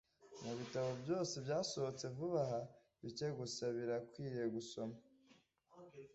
Mubitabo byose byasohotse vuba aha, bike gusa birakwiye gusoma.